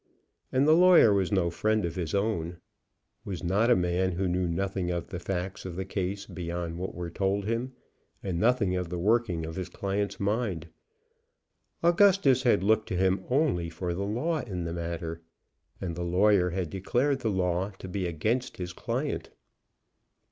And the lawyer was no friend of his own, was not a man who knew nothing of the facts of the case beyond what were told him, and nothing of the working of his client's mind. Augustus had looked to him only for the law in the matter, and the lawyer had declared the law to be against his client.